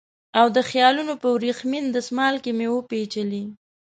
او د خیالونو په وریښمین دسمال کې مې وپېچلې